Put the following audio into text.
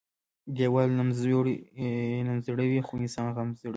ديوال نم زړوى خو انسان غم زړوى.